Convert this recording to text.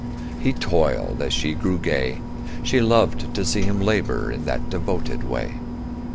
He toiled as she grew gay. She loved to see him labor In that devoted way.